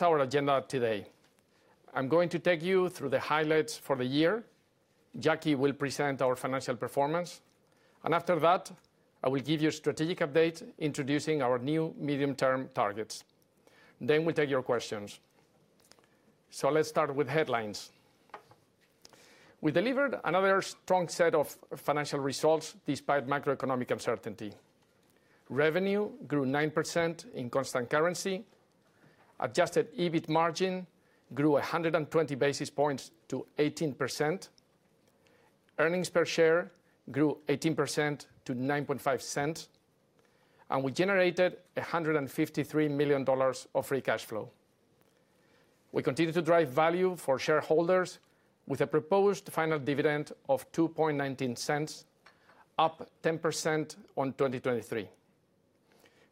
Our agenda today. I'm going to take you through the highlights for the year. Jackie will present our financial performance. And after that, I will give you a strategic update introducing our new medium-term targets. Then we'll take your questions. So let's start with headlines. We delivered another strong set of financial results despite macroeconomic uncertainty. Revenue grew 9% in constant currency. Adjusted EBIT margin grew 120 basis points to 18%. Earnings per share grew 18% to $0.095. And we generated $153 million of free cash flow. We continue to drive value for shareholders with a proposed final dividend of $0.219, up 10% on 2023.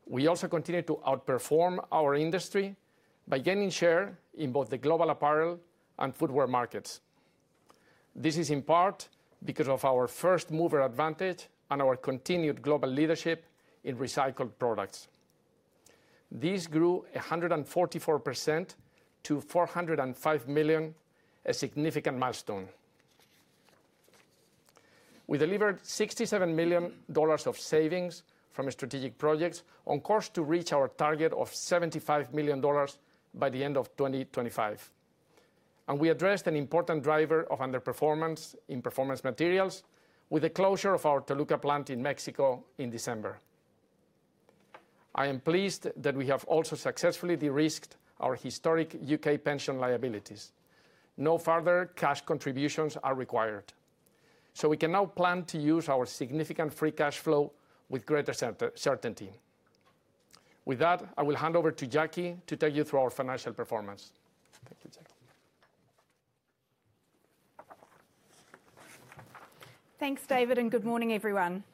We also continue to outperform our industry by gaining share in both the global apparel and footwear markets. This is in part because of our first-mover advantage and our continued global leadership in recycled products. These grew 144% to $405 million, a significant milestone. We delivered $67 million of savings from strategic projects on course to reach our target of $75 million by the end of 2025, and we addressed an important driver of underperformance in performance materials with the closure of our Toluca plant in Mexico in December. I am pleased that we have also successfully de-risked our historic U.K. pension liabilities. No further cash contributions are required, so we can now plan to use our significant free cash flow with greater certainty. With that, I will hand over to Jackie to take you through our financial performance. Thank you, Jackie. Thanks, David, and good morning, everyone.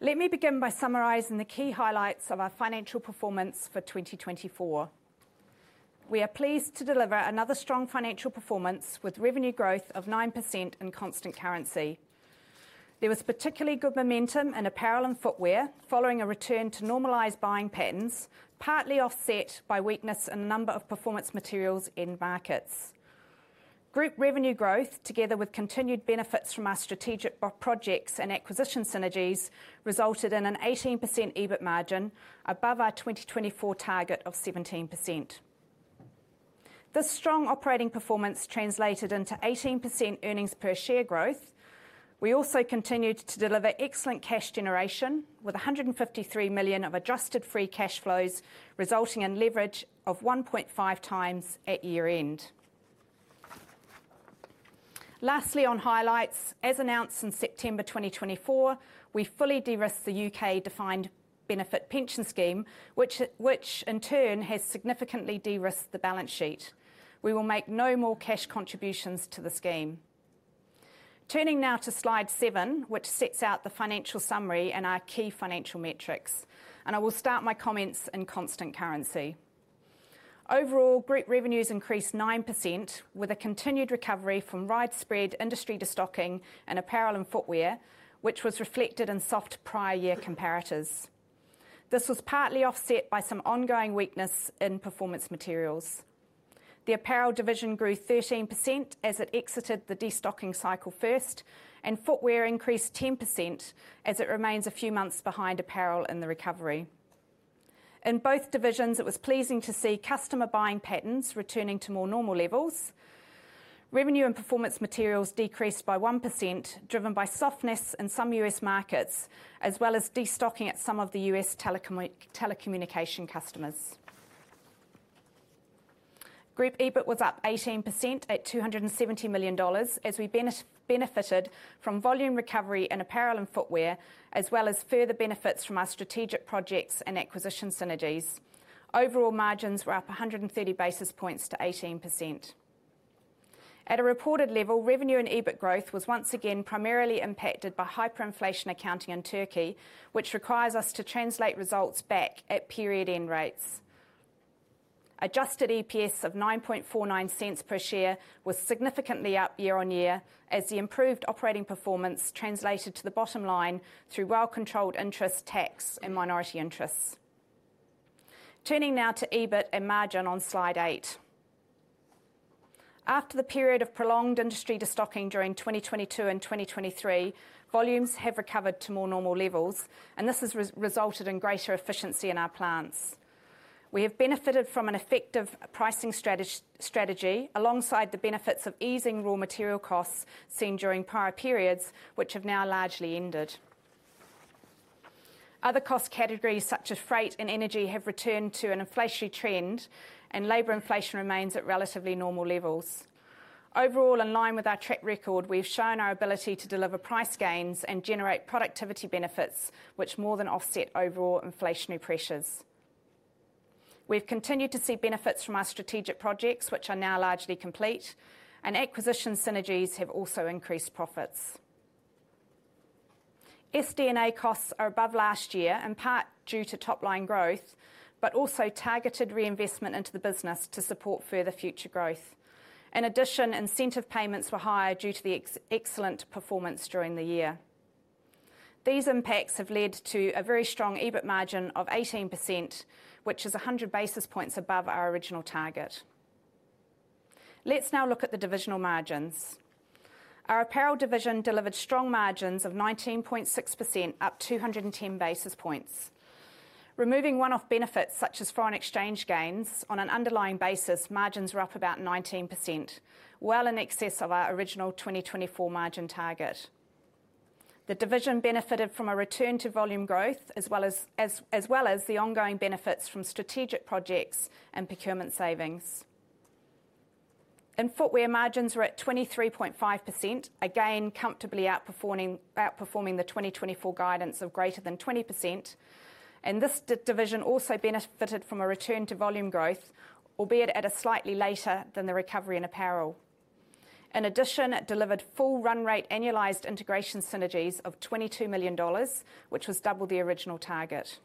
Let me begin by summarizing the key highlights of our financial performance for 2024. We are pleased to deliver another strong financial performance with revenue growth of 9% in constant currency. There was particularly good momentum in apparel and footwear following a return to normalized buying patterns, partly offset by weakness in a number of performance materials and markets. Group revenue growth, together with continued benefits from our strategic projects and acquisition synergies, resulted in an 18% EBIT margin above our 2024 target of 17%. This strong operating performance translated into 18% earnings per share growth. We also continued to deliver excellent cash generation with $153 million of adjusted free cash flows, resulting in leverage of 1.5 times at year-end. Lastly, on highlights, as announced in September 2024, we fully de-risked the U.K. defined benefit pension scheme, which in turn has significantly de-risked the balance sheet. We will make no more cash contributions to the scheme. Turning now to slide seven, which sets out the financial summary and our key financial metrics, and I will start my comments in constant currency. Overall, group revenues increased 9% with a continued recovery from widespread industry destocking in apparel and footwear, which was reflected in soft prior year comparators. This was partly offset by some ongoing weakness in performance materials. The apparel division grew 13% as it exited the destocking cycle first, and footwear increased 10% as it remains a few months behind apparel in the recovery. In both divisions, it was pleasing to see customer buying patterns returning to more normal levels. Revenue and performance materials decreased by 1%, driven by softness in some U.S. markets, as well as destocking at some of the U.S. telecommunication customers. Group EBIT was up 18% at $270 million as we benefited from volume recovery in apparel and footwear, as well as further benefits from our strategic projects and acquisition synergies. Overall margins were up 130 basis points to 18%. At a reported level, revenue and EBIT growth was once again primarily impacted by hyperinflation accounting in Turkey, which requires us to translate results back at period end rates. Adjusted EPS of $0.0949 per share was significantly up year on year as the improved operating performance translated to the bottom line through well-controlled interest tax and minority interests. Turning now to EBIT and margin on slide eight. After the period of prolonged industry destocking during 2022 and 2023, volumes have recovered to more normal levels, and this has resulted in greater efficiency in our plants. We have benefited from an effective pricing strategy alongside the benefits of easing raw material costs seen during prior periods, which have now largely ended. Other cost categories such as freight and energy have returned to an inflationary trend, and labor inflation remains at relatively normal levels. Overall, in line with our track record, we have shown our ability to deliver price gains and generate productivity benefits, which more than offset overall inflationary pressures. We have continued to see benefits from our strategic projects, which are now largely complete, and acquisition synergies have also increased profits. SG&A costs are above last year, in part due to top-line growth, but also targeted reinvestment into the business to support further future growth. In addition, incentive payments were higher due to the excellent performance during the year. These impacts have led to a very strong EBIT margin of 18%, which is 100 basis points above our original target. Let's now look at the divisional margins. Our apparel division delivered strong margins of 19.6%, up 210 basis points. Removing one-off benefits such as foreign exchange gains on an underlying basis, margins were up about 19%, well in excess of our original 2024 margin target. The division benefited from a return to volume growth, as well as the ongoing benefits from strategic projects and procurement savings. In footwear, margins were at 23.5%, again comfortably outperforming the 2024 guidance of greater than 20%, and this division also benefited from a return to volume growth, albeit at a slightly later than the recovery in apparel. In addition, it delivered full run rate annualized integration synergies of $22 million, which was double the original target.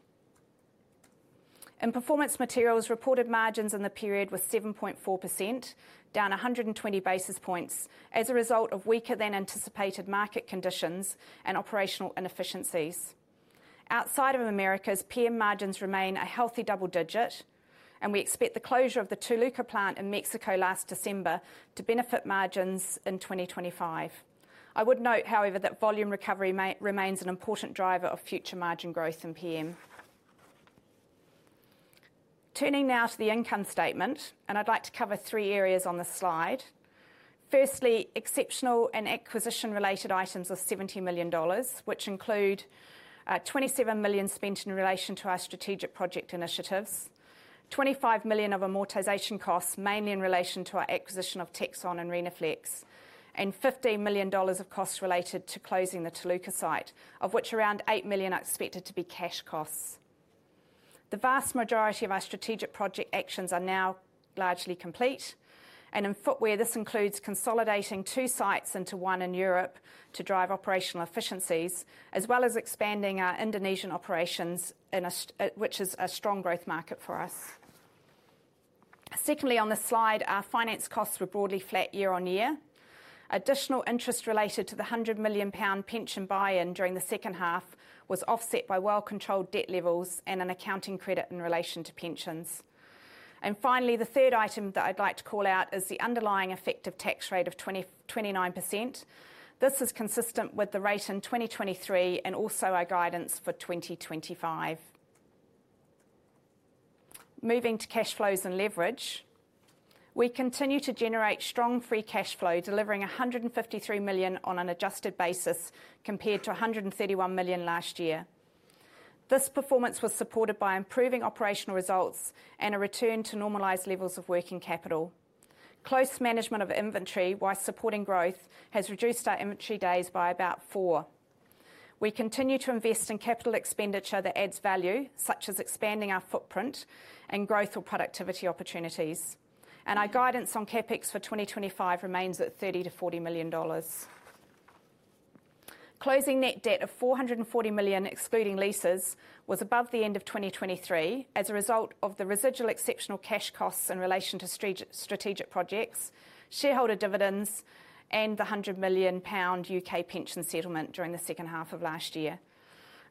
In performance materials, reported margins in the period were 7.4%, down 120 basis points as a result of weaker-than-anticipated market conditions and operational inefficiencies. Outside of Americas, PM margins remain a healthy double digit, and we expect the closure of the Toluca plant in Mexico last December to benefit margins in 2025. I would note, however, that volume recovery remains an important driver of future margin growth in PM. Turning now to the income statement, and I'd like to cover three areas on the slide. Firstly, exceptional and acquisition-related items are $70 million, which include $27 million spent in relation to our strategic project initiatives, $25 million of amortization costs, mainly in relation to our acquisition of Texon and Rhenoflex, and $15 million of costs related to closing the Toluca site, of which around $8 million are expected to be cash costs. The vast majority of our strategic project actions are now largely complete, and in footwear, this includes consolidating two sites into one in Europe to drive operational efficiencies, as well as expanding our Indonesian operations, which is a strong growth market for us. Secondly, on the slide, our finance costs were broadly flat year on year. Additional interest related to the 100 million pound pension buy-in during the second half was offset by well-controlled debt levels and an accounting credit in relation to pensions. And finally, the third item that I'd like to call out is the underlying effective tax rate of 29%. This is consistent with the rate in 2023 and also our guidance for 2025. Moving to cash flows and leverage, we continue to generate strong free cash flow, delivering $153 million on an adjusted basis compared to $131 million last year. This performance was supported by improving operational results and a return to normalized levels of working capital. Close management of inventory, while supporting growth, has reduced our inventory days by about four. We continue to invest in capital expenditure that adds value, such as expanding our footprint and growth or productivity opportunities. And our guidance on CapEx for 2025 remains at $30-$40 million. Closing net debt of $440 million, excluding leases, was above the end of 2023 as a result of the residual exceptional cash costs in relation to strategic projects, shareholder dividends, and the 100 million pound U.K. pension settlement during the second half of last year.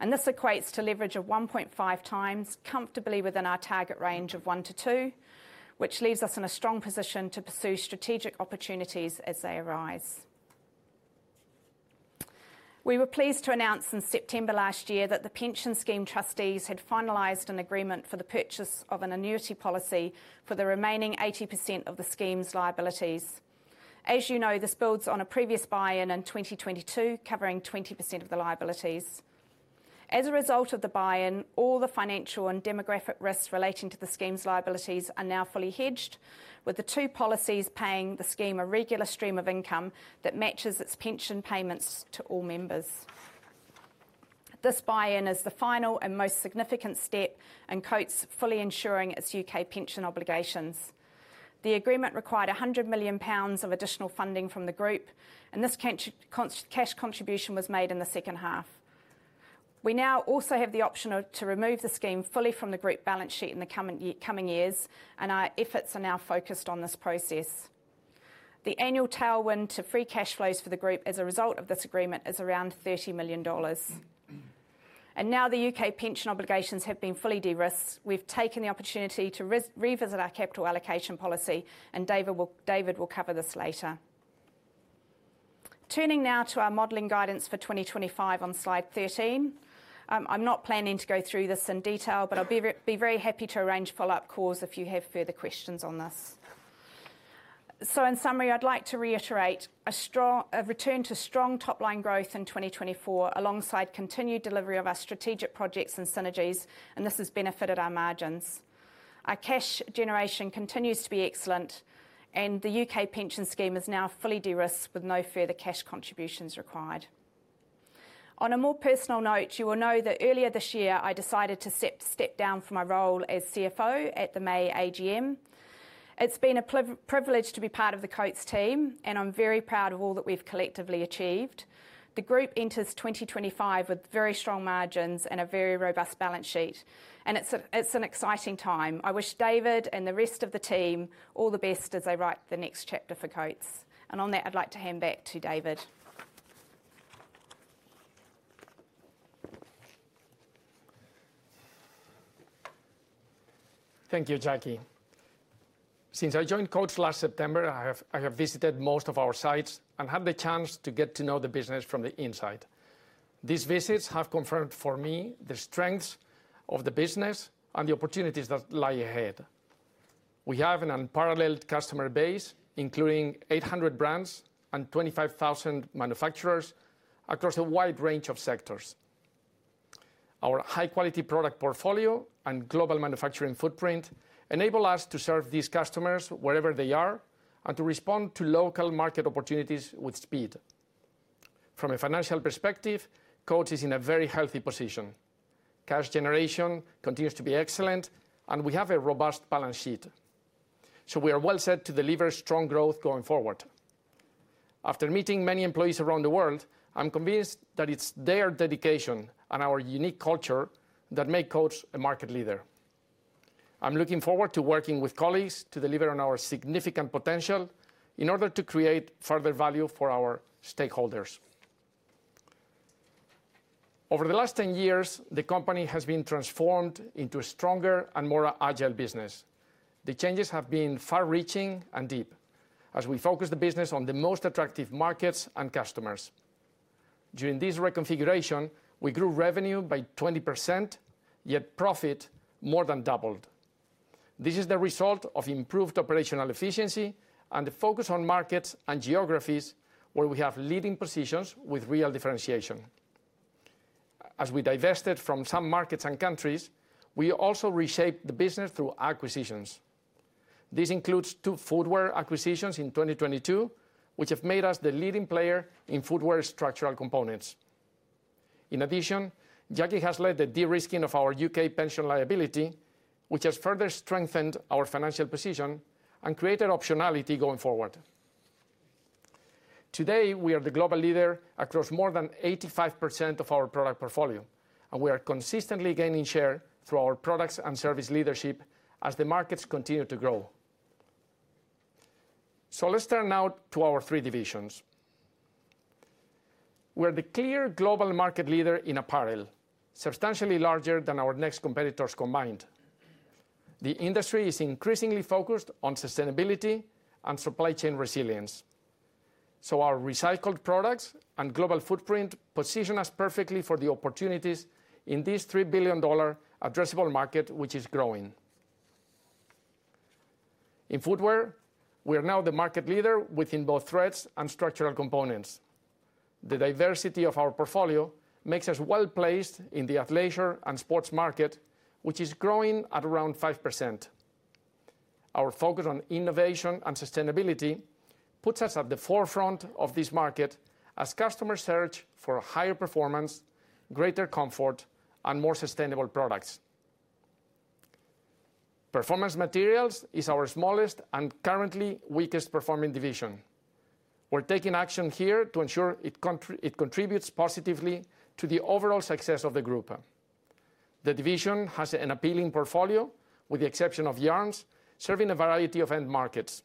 This equates to leverage of 1.5 times, comfortably within our target range of one to two, which leaves us in a strong position to pursue strategic opportunities as they arise. We were pleased to announce in September last year that the pension scheme trustees had finalized an agreement for the purchase of an annuity policy for the remaining 80% of the scheme's liabilities. As you know, this builds on a previous buy-in in 2022 covering 20% of the liabilities. As a result of the buy-in, all the financial and demographic risks relating to the scheme's liabilities are now fully hedged, with the two policies paying the scheme a regular stream of income that matches its pension payments to all members. This buy-in is the final and most significant step in Coats fully ensuring its U.K. pension obligations. The agreement required 100 million pounds of additional funding from the group, and this cash contribution was made in the second half. We now also have the option to remove the scheme fully from the group balance sheet in the coming years, and our efforts are now focused on this process. The annual tailwind to free cash flows for the group as a result of this agreement is around $30 million, and now the U.K. pension obligations have been fully de-risked. We've taken the opportunity to revisit our capital allocation policy, and David will cover this later. Turning now to our modeling guidance for 2025 on slide 13. I'm not planning to go through this in detail, but I'll be very happy to arrange follow-up calls if you have further questions on this. So, in summary, I'd like to reiterate a return to strong top-line growth in 2024 alongside continued delivery of our strategic projects and synergies, and this has benefited our margins. Our cash generation continues to be excellent, and the U.K. pension scheme is now fully de-risked with no further cash contributions required. On a more personal note, you will know that earlier this year I decided to step down from my role as CFO at the May AGM. It's been a privilege to be part of the Coats team, and I'm very proud of all that we've collectively achieved. The group enters 2025 with very strong margins and a very robust balance sheet, and it's an exciting time. I wish David and the rest of the team all the best as they write the next chapter for Coats, and on that, I'd like to hand back to David. Thank you, Jackie. Since I joined Coats last September, I have visited most of our sites and had the chance to get to know the business from the inside. These visits have confirmed for me the strengths of the business and the opportunities that lie ahead. We have an unparalleled customer base, including 800 brands and 25,000 manufacturers across a wide range of sectors. Our high-quality product portfolio and global manufacturing footprint enable us to serve these customers wherever they are and to respond to local market opportunities with speed. From a financial perspective, Coats is in a very healthy position. Cash generation continues to be excellent, and we have a robust balance sheet. So we are well set to deliver strong growth going forward. After meeting many employees around the world, I'm convinced that it's their dedication and our unique culture that make Coats a market leader. I'm looking forward to working with colleagues to deliver on our significant potential in order to create further value for our stakeholders. Over the last 10 years, the company has been transformed into a stronger and more agile business. The changes have been far-reaching and deep, as we focus the business on the most attractive markets and customers. During this reconfiguration, we grew revenue by 20%, yet profit more than doubled. This is the result of improved operational efficiency and the focus on markets and geographies where we have leading positions with real differentiation. As we divested from some markets and countries, we also reshaped the business through acquisitions. This includes two footwear acquisitions in 2022, which have made us the leading player in footwear structural components. In addition, Jackie has led the de-risking of our U.K. pension liability, which has further strengthened our financial position and created optionality going forward. Today, we are the global leader across more than 85% of our product portfolio, and we are consistently gaining share through our products and service leadership as the markets continue to grow. So let's turn now to our three divisions. We are the clear global market leader in apparel, substantially larger than our next competitors combined. The industry is increasingly focused on sustainability and supply chain resilience. So our recycled products and global footprint position us perfectly for the opportunities in this $3 billion addressable market, which is growing. In footwear, we are now the market leader within both threads and structural components. The diversity of our portfolio makes us well placed in the athleisure and sports market, which is growing at around 5%. Our focus on innovation and sustainability puts us at the forefront of this market as customers search for higher performance, greater comfort, and more sustainable products. Performance Materials is our smallest and currently weakest performing division. We're taking action here to ensure it contributes positively to the overall success of the group. The division has an appealing portfolio, with the exception of yarns, serving a variety of end markets.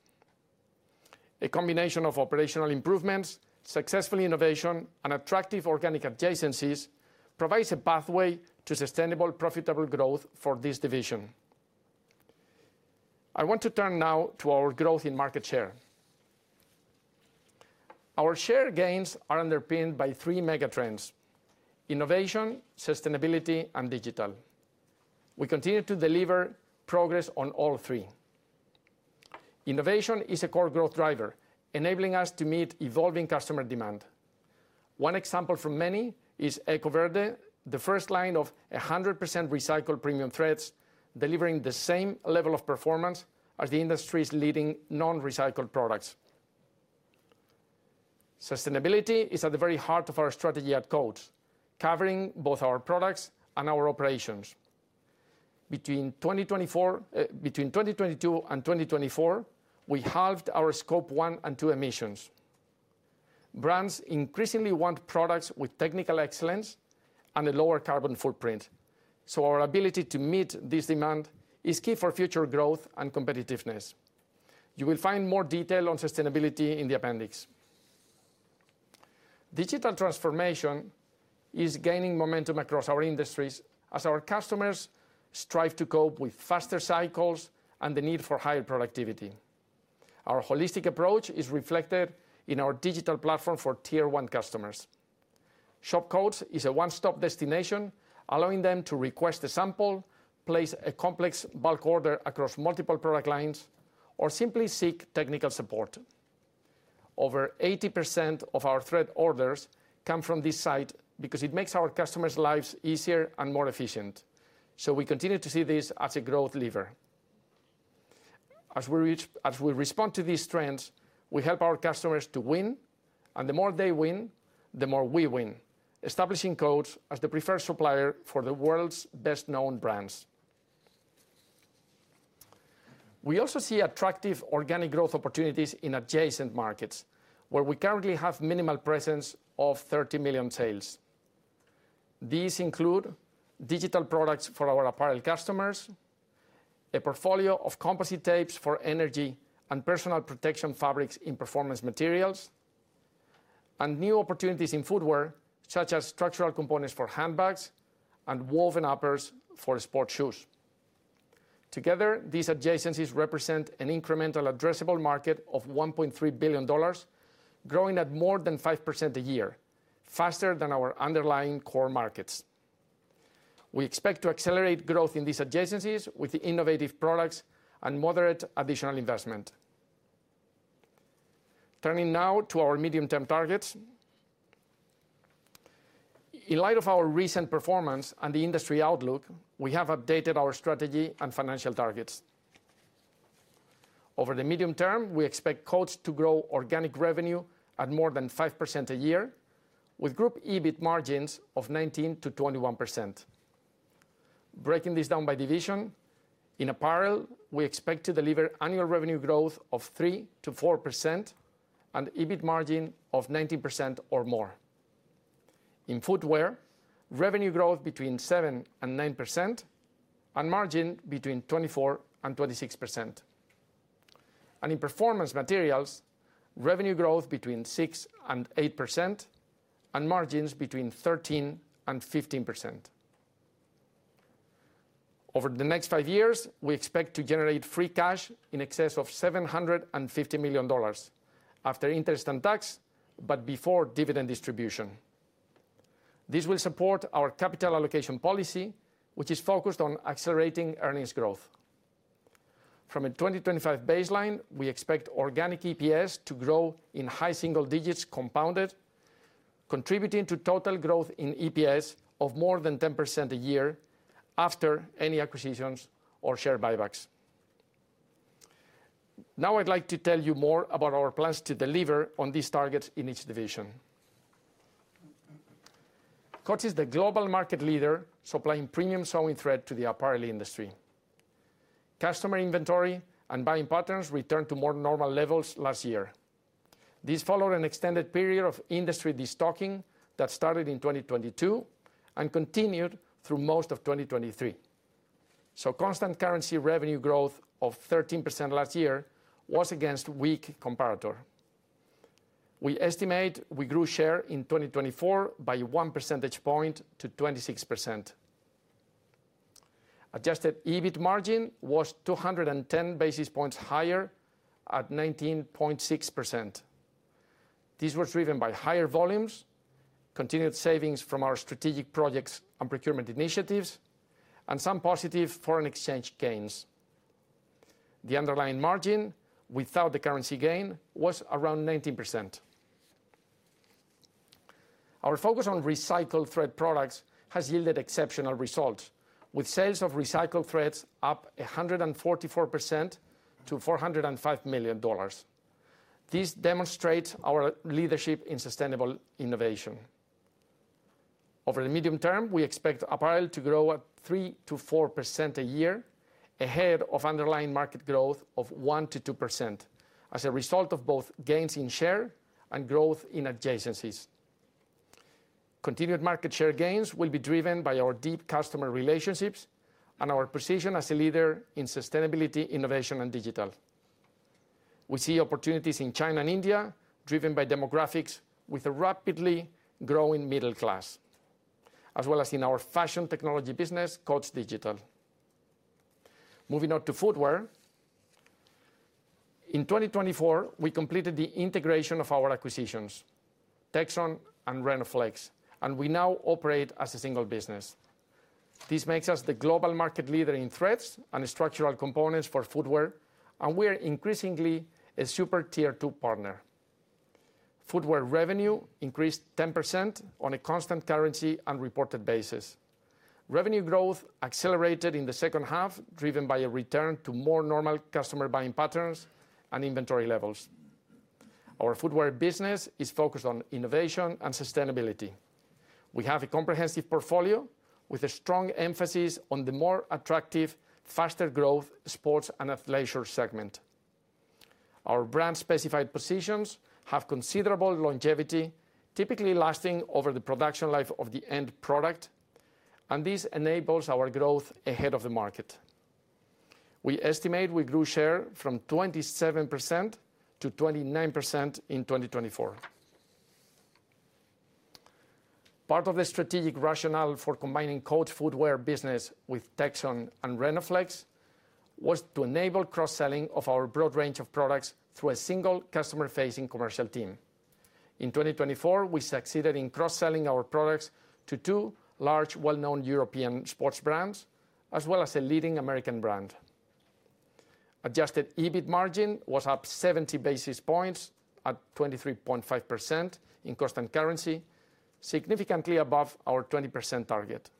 A combination of operational improvements, successful innovation, and attractive organic adjacencies provides a pathway to sustainable, profitable growth for this division. I want to turn now to our growth in market share. Our share gains are underpinned by three megatrends: innovation, sustainability, and digital. We continue to deliver progress on all three. Innovation is a core growth driver, enabling us to meet evolving customer demand. One example from many is EcoVerde, the first line of 100% recycled premium threads, delivering the same level of performance as the industry's leading non-recycled products. Sustainability is at the very heart of our strategy at Coats, covering both our products and our operations. Between 2022 and 2024, we halved our Scope 1 and 2 emissions. Brands increasingly want products with technical excellence and a lower carbon footprint. So our ability to meet this demand is key for future growth and competitiveness. You will find more detail on sustainability in the appendix. Digital transformation is gaining momentum across our industries as our customers strive to cope with faster cycles and the need for higher productivity. Our holistic approach is reflected in our digital platform for Tier 1 customers. ShopCoats is a one-stop destination, allowing them to request a sample, place a complex bulk order across multiple product lines, or simply seek technical support. Over 80% of our thread orders come from this site because it makes our customers' lives easier and more efficient. So we continue to see this as a growth lever. As we respond to these trends, we help our customers to win, and the more they win, the more we win, establishing Coats as the preferred supplier for the world's best-known brands. We also see attractive organic growth opportunities in adjacent markets, where we currently have a minimal presence of $30 million sales. These include digital products for our apparel customers, a portfolio of composite tapes for energy and personal protection fabrics in performance materials, and new opportunities in footwear, such as structural components for handbags and woven uppers for sports shoes. Together, these adjacencies represent an incremental addressable market of $1.3 billion, growing at more than 5% a year, faster than our underlying core markets. We expect to accelerate growth in these adjacencies with innovative products and moderate additional investment. Turning now to our medium-term targets. In light of our recent performance and the industry outlook, we have updated our strategy and financial targets. Over the medium term, we expect Coats to grow organic revenue at more than 5% a year, with group EBIT margins of 19%-21%. Breaking this down by division, in apparel, we expect to deliver annual revenue growth of 3%-4% and EBIT margin of 19% or more. In footwear, revenue growth between 7% and 9% and margin between 24% and 26%. And in performance materials, revenue growth between 6% and 8% and margins between 13% and 15%. Over the next five years, we expect to generate free cash in excess of $750 million after interest and tax, but before dividend distribution. This will support our capital allocation policy, which is focused on accelerating earnings growth. From a 2025 baseline, we expect organic EPS to grow in high single digits compounded, contributing to total growth in EPS of more than 10% a year after any acquisitions or share buybacks. Now I'd like to tell you more about our plans to deliver on these targets in each division. Coats is the global market leader supplying premium sewing thread to the apparel industry. Customer inventory and buying patterns returned to more normal levels last year. This followed an extended period of industry destocking that started in 2022 and continued through most of 2023. So constant currency revenue growth of 13% last year was against a weak comparator. We estimate we grew share in 2024 by one percentage point to 26%. Adjusted EBIT margin was 210 basis points higher at 19.6%. This was driven by higher volumes, continued savings from our strategic projects and procurement initiatives, and some positive foreign exchange gains. The underlying margin, without the currency gain, was around 19%. Our focus on recycled thread products has yielded exceptional results, with sales of recycled threads up 144% to $405 million. This demonstrates our leadership in sustainable innovation. Over the medium term, we expect apparel to grow at 3%-4% a year, ahead of underlying market growth of 1%-2%, as a result of both gains in share and growth in adjacencies. Continued market share gains will be driven by our deep customer relationships and our position as a leader in sustainability, innovation, and digital. We see opportunities in China and India, driven by demographics with a rapidly growing middle class, as well as in our fashion technology business, Coats Digital. Moving on to footwear. In 2024, we completed the integration of our acquisitions, Texon and Rhenoflex, and we now operate as a single business. This makes us the global market leader in threads and structural components for footwear, and we are increasingly a super Tier 2 partner. Footwear revenue increased 10% on a constant currency and reported basis. Revenue growth accelerated in the second half, driven by a return to more normal customer buying patterns and inventory levels. Our footwear business is focused on innovation and sustainability. We have a comprehensive portfolio with a strong emphasis on the more attractive, faster-growth sports and athleisure segment. Our brand-specified positions have considerable longevity, typically lasting over the production life of the end product, and this enables our growth ahead of the market. We estimate we grew share from 27% to 29% in 2024. Part of the strategic rationale for combining Coats footwear business with Texon and Rhenoflex was to enable cross-selling of our broad range of products through a single customer-facing commercial team. In 2024, we succeeded in cross-selling our products to two large, well-known European sports brands, as well as a leading American brand. Adjusted EBIT margin was up 70 basis points at 23.5% in constant currency, significantly above our 20% target.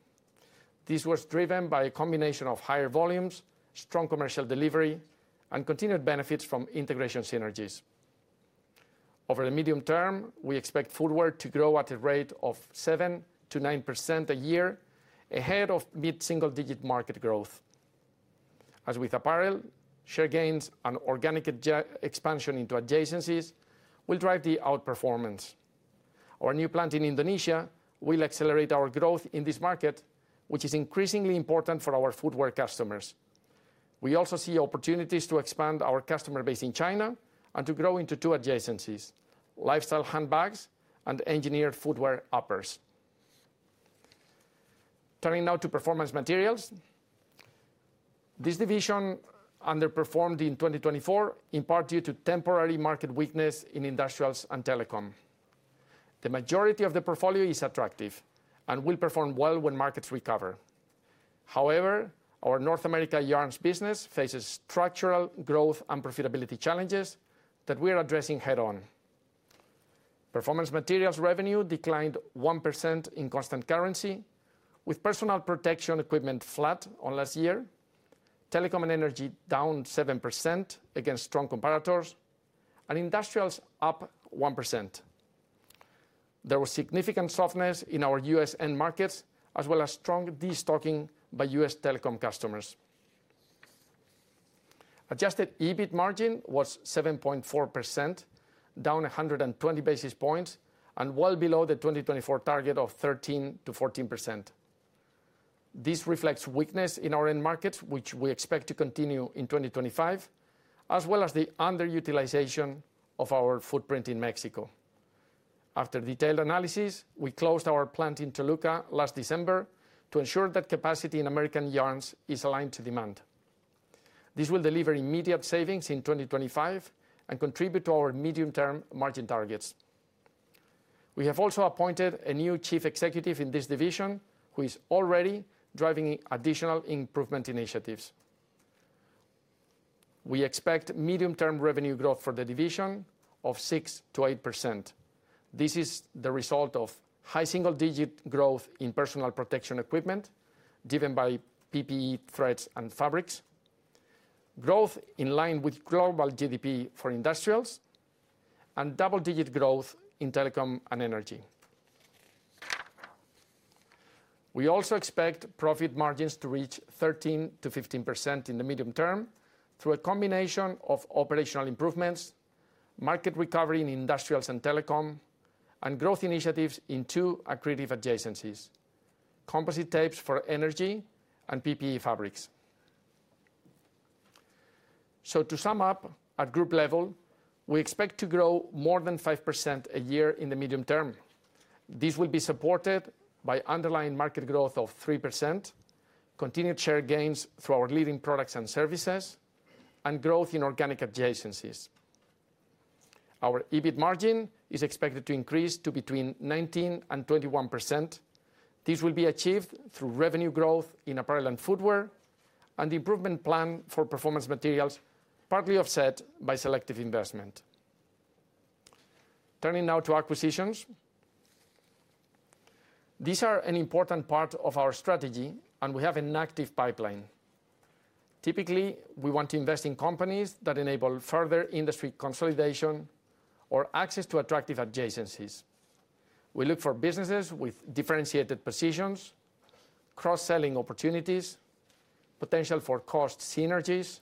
This was driven by a combination of higher volumes, strong commercial delivery, and continued benefits from integration synergies. Over the medium term, we expect footwear to grow at a rate of 7%-9% a year, ahead of mid-single-digit market growth. As with apparel, share gains and organic expansion into adjacencies will drive the outperformance. Our new plant in Indonesia will accelerate our growth in this market, which is increasingly important for our footwear customers. We also see opportunities to expand our customer base in China and to grow into two adjacencies: lifestyle handbags and engineered footwear uppers. Turning now to performance materials. This division underperformed in 2024, in part due to temporary market weakness in industrials and telecom. The majority of the portfolio is attractive and will perform well when markets recover. However, our North America yarns business faces structural growth and profitability challenges that we are addressing head-on. Performance materials revenue declined 1% in constant currency, with personal protection equipment flat on last year, telecom and energy down 7% against strong comparators, and industrials up 1%. There was significant softness in our U.S. end markets, as well as strong destocking by U.S. telecom customers. Adjusted EBIT margin was 7.4%, down 120 basis points and well below the 2024 target of 13%-14%. This reflects weakness in our end markets, which we expect to continue in 2025, as well as the underutilization of our footprint in Mexico. After detailed analysis, we closed our plant in Toluca last December to ensure that capacity in American yarns is aligned to demand. This will deliver immediate savings in 2025 and contribute to our medium-term margin targets. We have also appointed a new chief executive in this division, who is already driving additional improvement initiatives. We expect medium-term revenue growth for the division of 6%-8%. This is the result of high single-digit growth in personal protection equipment, driven by PPE threads and fabrics, growth in line with global GDP for industrials, and double-digit growth in telecom and energy. We also expect profit margins to reach 13%-15% in the medium term through a combination of operational improvements, market recovery in industrials and telecom, and growth initiatives in two accretive adjacencies: composite tapes for energy and PPE fabrics. So, to sum up, at group level, we expect to grow more than 5% a year in the medium term. This will be supported by underlying market growth of 3%, continued share gains through our leading products and services, and growth in organic adjacencies. Our EBIT margin is expected to increase to between 19% and 21%. This will be achieved through revenue growth in apparel and footwear, and the improvement plan for performance materials partly offset by selective investment. Turning now to acquisitions. These are an important part of our strategy, and we have an active pipeline. Typically, we want to invest in companies that enable further industry consolidation or access to attractive adjacencies. We look for businesses with differentiated positions, cross-selling opportunities, potential for cost synergies,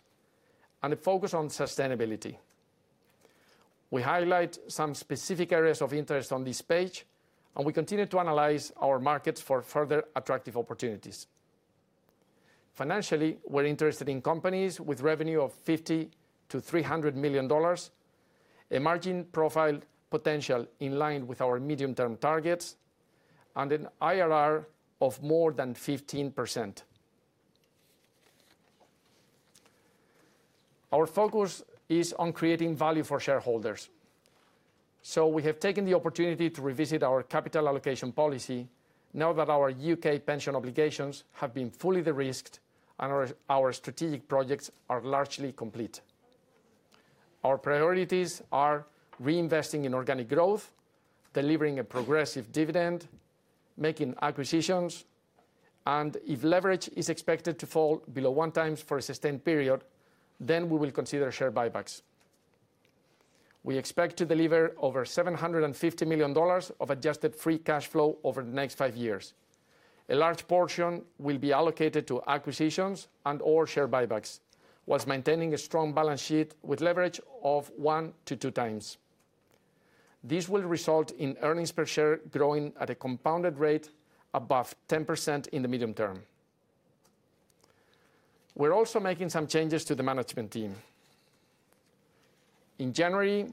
and a focus on sustainability. We highlight some specific areas of interest on this page, and we continue to analyze our markets for further attractive opportunities. Financially, we're interested in companies with revenue of $50 million-$300 million, a margin profile potential in line with our medium-term targets, and an IRR of more than 15%. Our focus is on creating value for shareholders. We have taken the opportunity to revisit our capital allocation policy now that our U.K. pension obligations have been fully de-risked and our strategic projects are largely complete. Our priorities are reinvesting in organic growth, delivering a progressive dividend, making acquisitions, and if leverage is expected to fall below one times for a sustained period, then we will consider share buybacks. We expect to deliver over $750 million of adjusted free cash flow over the next five years. A large portion will be allocated to acquisitions and/or share buybacks, while maintaining a strong balance sheet with leverage of one to two times. This will result in earnings per share growing at a compounded rate above 10% in the medium term. We're also making some changes to the management team. In January,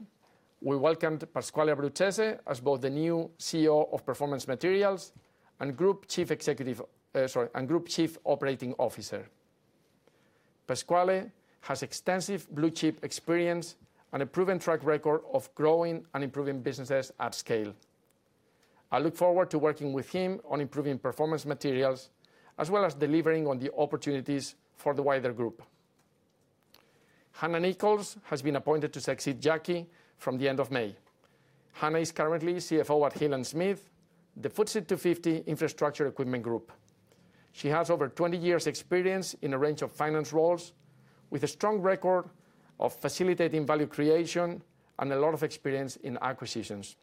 we welcomed Pasquale Abruzzese as both the new CEO of Performance Materials and Group Chief Operating Officer. Pasquale has extensive blue-chip experience and a proven track record of growing and improving businesses at scale. I look forward to working with him on improving performance materials, as well as delivering on the opportunities for the wider group. Hannah Nichols has been appointed to succeed Jackie from the end of May. Hannah is currently CFO at Hill & Smith, the FTSE 250 infrastructure equipment group. She has over 20 years' experience in a range of finance roles, with a strong record of facilitating value creation and a lot of experience in acquisitions.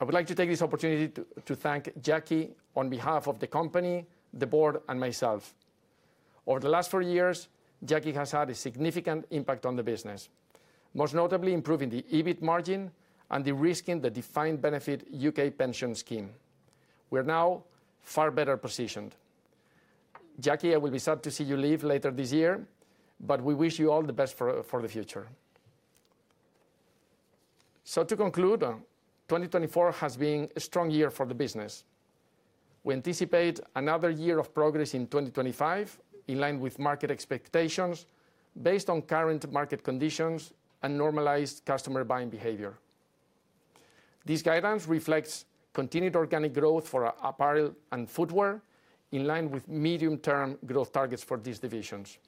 I would like to take this opportunity to thank Jackie on behalf of the company, the board, and myself. Over the last four years, Jackie has had a significant impact on the business, most notably improving the EBIT margin and de-risking the defined benefit U.K. pension scheme. We are now far better positioned. Jackie, I will be sad to see you leave later this year, but we wish you all the best for the future. So, to conclude, 2024 has been a strong year for the business. We anticipate another year of progress in 2025, in line with market expectations based on current market conditions and normalized customer buying behavior. These guidelines reflect continued organic growth for apparel and footwear, in line with medium-term growth targets for these divisions.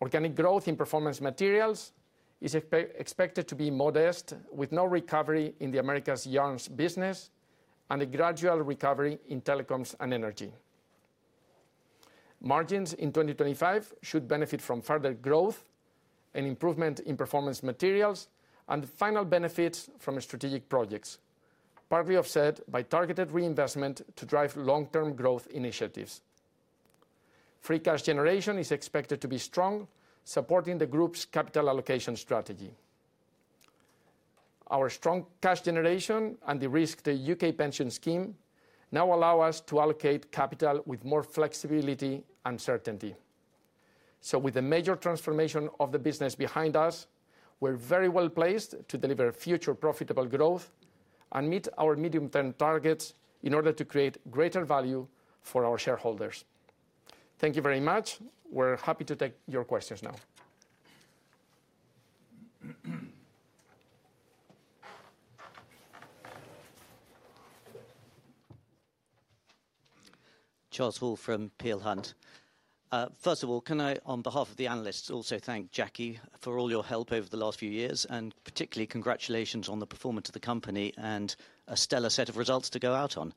Organic growth in performance materials is expected to be modest, with no recovery in Americas yarns business and a gradual recovery in telecoms and energy. Margins in 2025 should benefit from further growth and improvement in performance materials and final benefits from strategic projects, partly offset by targeted reinvestment to drive long-term growth initiatives. Free cash generation is expected to be strong, supporting the group's capital allocation strategy. Our strong cash generation and de-risking the U.K. pension scheme now allow us to allocate capital with more flexibility and certainty. So, with the major transformation of the business behind us, we're very well placed to deliver future profitable growth and meet our medium-term targets in order to create greater value for our shareholders. Thank you very much. We're happy to take your questions now. Charles Hall from Peel Hunt. First of all, can I, on behalf of the analysts, also thank Jackie for all your help over the last few years, and particularly congratulations on the performance of the company and a stellar set of results to go out on.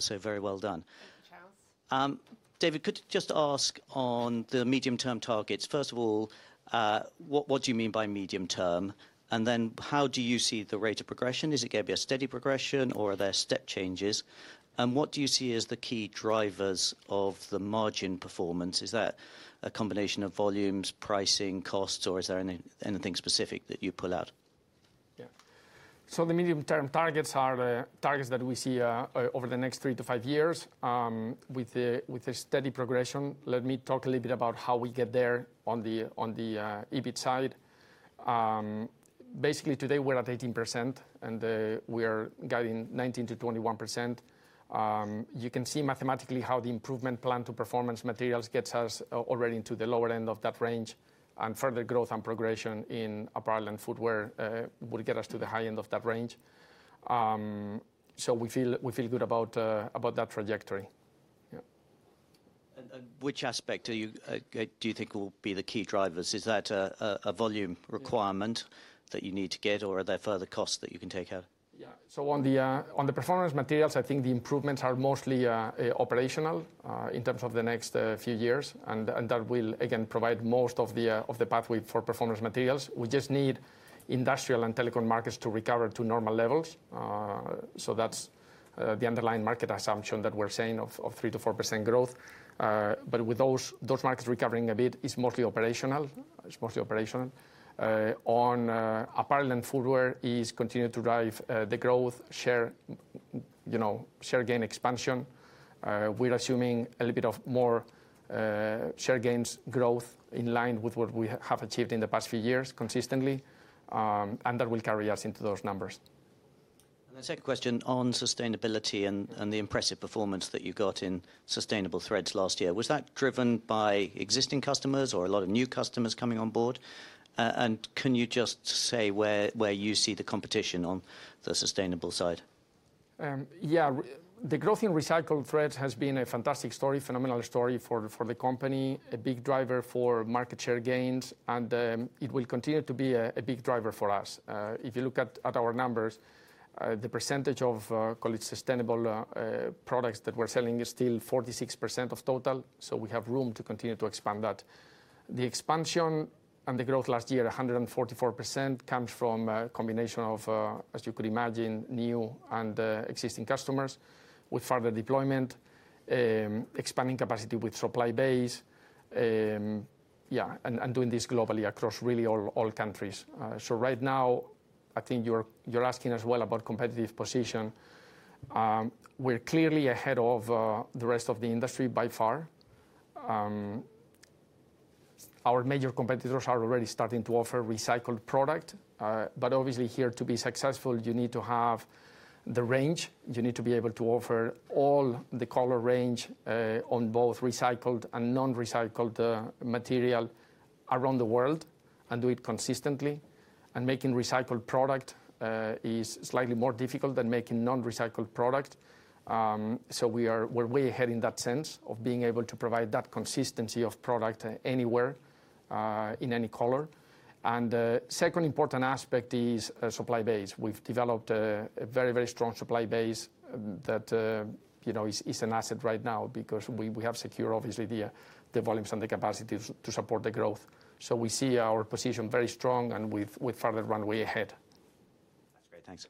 So, very well done. Thank you, Charles. David, could you just ask on the medium-term targets? First of all, what do you mean by medium-term? And then, how do you see the rate of progression? Is it going to be a steady progression, or are there step changes? And what do you see as the key drivers of the margin performance? Is that a combination of volumes, pricing, costs, or is there anything specific that you pull out? Yeah. So, the medium-term targets are the targets that we see over the next three to five years, with a steady progression. Let me talk a little bit about how we get there on the EBIT side. Basically, today we're at 18%, and we are guiding 19%-21%. You can see mathematically how the improvement plan to performance materials gets us already into the lower end of that range, and further growth and progression in apparel and footwear would get us to the high end of that range. So, we feel good about that trajectory. And which aspect do you think will be the key drivers? Is that a volume requirement that you need to get, or are there further costs that you can take out? Yeah. So, on the performance materials, I think the improvements are mostly operational in terms of the next few years, and that will, again, provide most of the pathway for performance materials. We just need industrial and telecom markets to recover to normal levels. So, that's the underlying market assumption that we're saying of 3% to 4% growth. But with those markets recovering a bit, it's mostly operational. It's mostly operational. On apparel and footwear, it's continued to drive the growth, share gain expansion. We're assuming a little bit of more share gains growth in line with what we have achieved in the past few years consistently, and that will carry us into those numbers. And that's a question on sustainability and the impressive performance that you got in sustainable threads last year. Was that driven by existing customers or a lot of new customers coming on board? And can you just say where you see the competition on the sustainable side? Yeah. The growth in recycled threads has been a fantastic story, a phenomenal story for the company, a big driver for market share gains, and it will continue to be a big driver for us. If you look at our numbers, the percentage of, call it, sustainable products that we're selling is still 46% of total, so we have room to continue to expand that. The expansion and the growth last year, 144%, comes from a combination of, as you could imagine, new and existing customers with further deployment, expanding capacity with supply base, yeah, and doing this globally across really all countries. So, right now, I think you're asking as well about competitive position. We're clearly ahead of the rest of the industry by far. Our major competitors are already starting to offer recycled product, but obviously, here to be successful, you need to have the range. You need to be able to offer all the color range on both recycled and non-recycled material around the world and do it consistently. And making recycled product is slightly more difficult than making non-recycled product. So, we're way ahead in that sense of being able to provide that consistency of product anywhere in any color. And the second important aspect is supply base. We've developed a very, very strong supply base that is an asset right now because we have secured, obviously, the volumes and the capacity to support the growth. So, we see our position very strong and with further runway ahead. That's great. Thanks.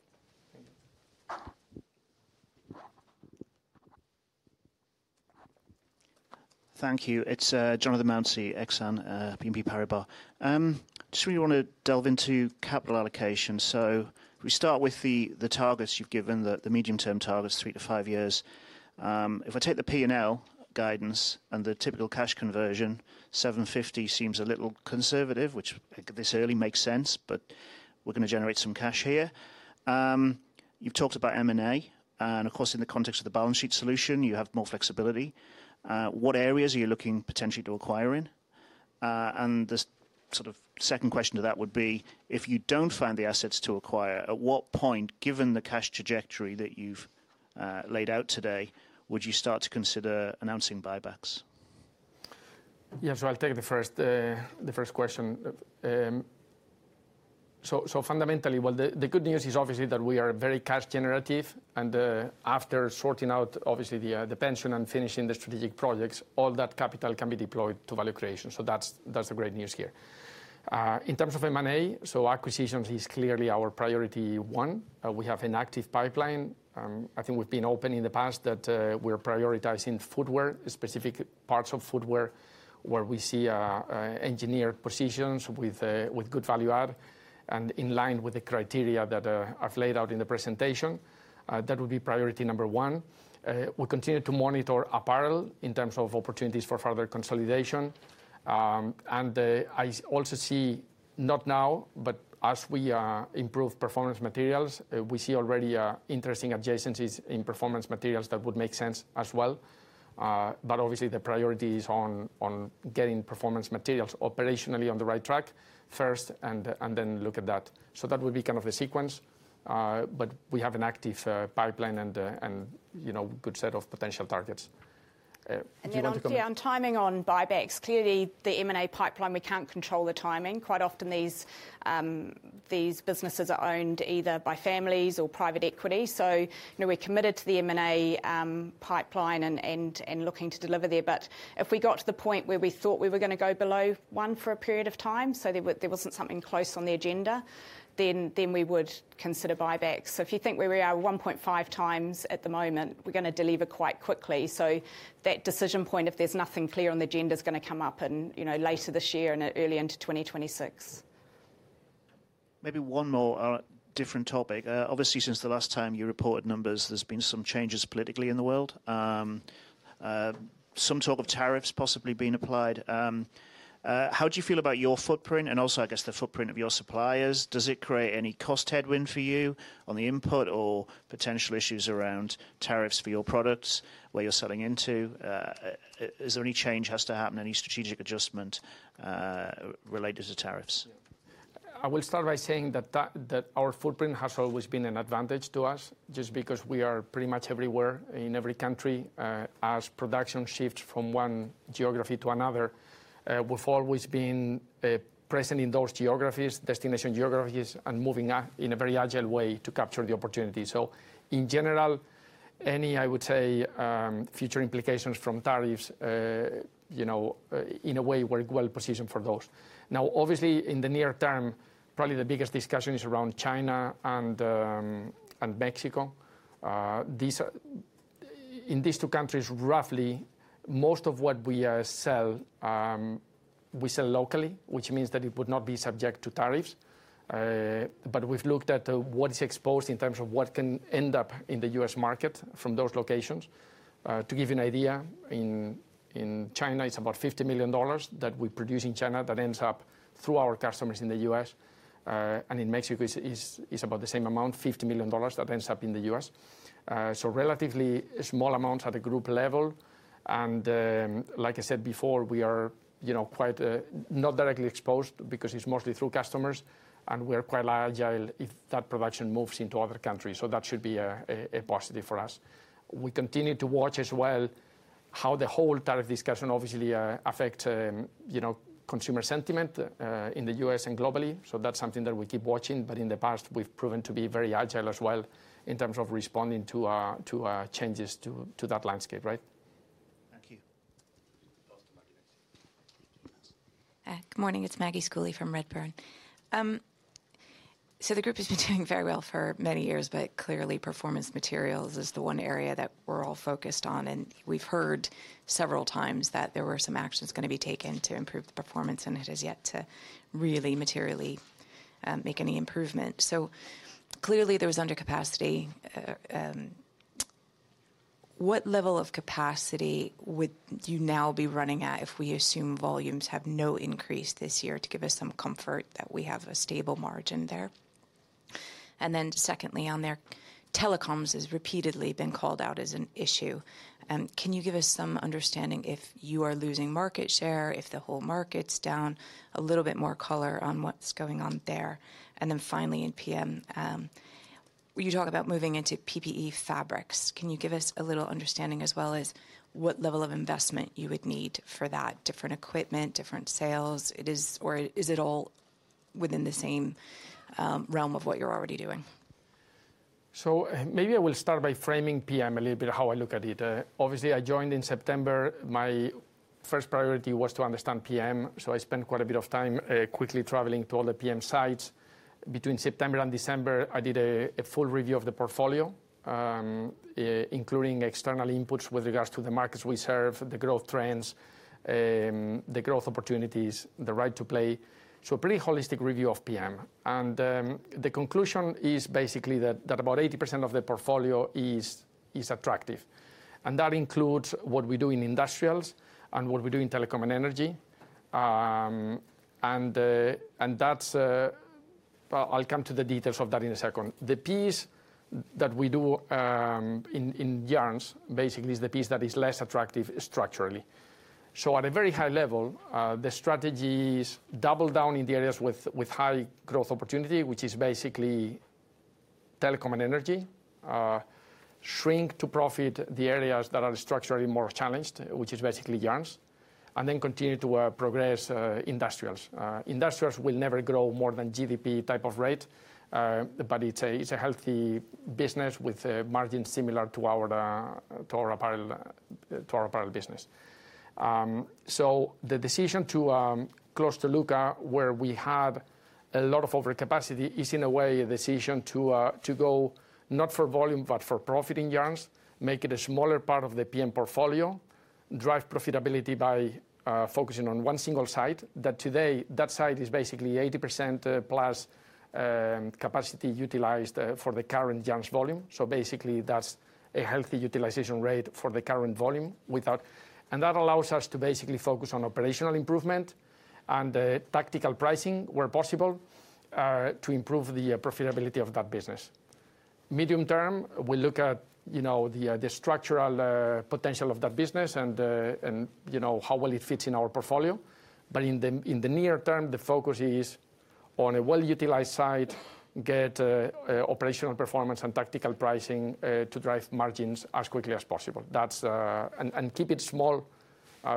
Thank you. It's Jonathan Mounsey, Exane BNP Paribas. Just really want to delve into capital allocation. So, we start with the targets you've given, the medium-term targets, three to five years. If I take the P&L guidance and the typical cash conversion, 750 seems a little conservative, which this early makes sense, but we're going to generate some cash here. You've talked about M&A, and of course, in the context of the balance sheet solution, you have more flexibility. What areas are you looking potentially to acquire in? And the sort of second question to that would be, if you don't find the assets to acquire, at what point, given the cash trajectory that you've laid out today, would you start to consider announcing buybacks? Yeah. So, I'll take the first question. So, fundamentally, well, the good news is obviously that we are very cash generative, and after sorting out, obviously, the pension and finishing the strategic projects, all that capital can be deployed to value creation. So, that's the great news here. In terms of M&A, so acquisitions is clearly our priority one. We have an active pipeline. I think we've been open in the past that we're prioritizing footwear, specific parts of footwear where we see engineered positions with good value add and in line with the criteria that I've laid out in the presentation. That would be priority number one. We continue to monitor apparel in terms of opportunities for further consolidation. And I also see, not now, but as we improve performance materials, we see already interesting adjacencies in performance materials that would make sense as well. But obviously, the priority is on getting performance materials operationally on the right track first and then look at that. So, that would be kind of the sequence, but we have an active pipeline and a good set of potential targets. And you're not too on timing on buybacks. Clearly, the M&A pipeline, we can't control the timing. Quite often, these businesses are owned either by families or private equity. So, we're committed to the M&A pipeline and looking to deliver there. But if we got to the point where we thought we were going to go below one for a period of time, so there wasn't something close on the agenda, then we would consider buybacks. So, if you think we're at 1.5 times at the moment, we're going to deliver quite quickly. That decision point, if there's nothing clear on the agenda, is going to come up later this year and early into 2026. Maybe one more different topic. Obviously, since the last time you reported numbers, there's been some changes politically in the world. Some talk of tariffs possibly being applied. How do you feel about your footprint and also, I guess, the footprint of your suppliers? Does it create any cost headwind for you on the input or potential issues around tariffs for your products where you're selling into? Is there any change that has to happen, any strategic adjustment related to tariffs? I will start by saying that our footprint has always been an advantage to us just because we are pretty much everywhere in every country as production shifts from one geography to another. We've always been present in those geographies, destination geographies, and moving in a very agile way to capture the opportunity. So, in general, any, I would say, future implications from tariffs in a way, we're well positioned for those. Now, obviously, in the near term, probably the biggest discussion is around China and Mexico. In these two countries, roughly, most of what we sell, we sell locally, which means that it would not be subject to tariffs. But we've looked at what is exposed in terms of what can end up in the U.S. market from those locations. To give you an idea, in China, it's about $50 million that we produce in China that ends up through our customers in the U.S. And in Mexico, it's about the same amount, $50 million that ends up in the U.S. So, relatively small amounts at a group level. And like I said before, we are quite not directly exposed because it's mostly through customers, and we are quite agile if that production moves into other countries. So, that should be a positive for us. We continue to watch as well how the whole tariff discussion obviously affects consumer sentiment in the US and globally. So, that's something that we keep watching. But in the past, we've proven to be very agile as well in terms of responding to changes to that landscape. Right. Thank you. Good morning. It's Maggie Schooley from Redburn Atlantic. So, the group has been doing very well for many years, but clearly, performance materials is the one area that we're all focused on. And we've heard several times that there were some actions going to be taken to improve the performance, and it has yet to really materially make any improvement. So, clearly, there was undercapacity. What level of capacity would you now be running at if we assume volumes have no increase this year to give us some comfort that we have a stable margin there? And then secondly, on there, telecoms has repeatedly been called out as an issue. Can you give us some understanding if you are losing market share, if the whole market's down, a little bit more color on what's going on there? And then finally, in PM, you talk about moving into PPE fabrics. Can you give us a little understanding as well as what level of investment you would need for that different equipment, different sales? Or is it all within the same realm of what you're already doing? So, maybe I will start by framing PM a little bit, how I look at it. Obviously, I joined in September. My first priority was to understand PM. So, I spent quite a bit of time quickly traveling to all the PM sites. Between September and December, I did a full review of the portfolio, including external inputs with regards to the markets we serve, the growth trends, the growth opportunities, the right to play. So, a pretty holistic review of PM. And the conclusion is basically that about 80% of the portfolio is attractive. And that includes what we do in industrials and what we do in telecom and energy. And that's. I'll come to the details of that in a second. The piece that we do in yarns, basically, is the piece that is less attractive structurally. So, at a very high level, the strategy is double down in the areas with high growth opportunity, which is basically telecom and energy, shrink to profit the areas that are structurally more challenged, which is basically yarns, and then continue to progress industrials. Industrials will never grow more than GDP type of rate, but it's a healthy business with margins similar to our apparel business. So, the decision to close Toluca, where we had a lot of overcapacity, is in a way a decision to go not for volume, but for profit in yarns, make it a smaller part of the PM portfolio, drive profitability by focusing on one single site. That today, that site is basically 80% plus capacity utilized for the current yarn volume. So, basically, that's a healthy utilization rate for the current volume without. And that allows us to basically focus on operational improvement and tactical pricing where possible to improve the profitability of that business. Medium term, we look at the structural potential of that business and how well it fits in our portfolio. But in the near term, the focus is on a well-utilized site, get operational performance and tactical pricing to drive margins as quickly as possible. And keep it small